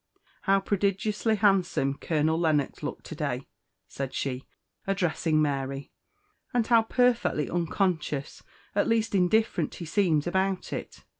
"How prodigiously handsome Colonel Lennox looked to day," said she, addressing Mary; "and how perfectly unconscious, at least indifferent, he seems about it.